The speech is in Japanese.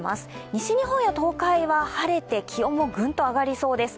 西日本や東海は晴れて気温もぐんと上がりそうです。